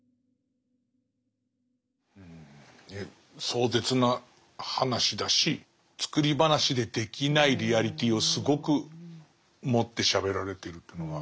壮絶な話だし作り話でできないリアリティーをすごくもってしゃべられているというのが分かりますね。